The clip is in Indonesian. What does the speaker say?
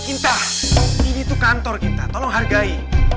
gita ini tuh kantor gita tolong hargai